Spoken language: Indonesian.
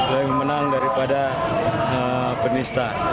lebih menang daripada penista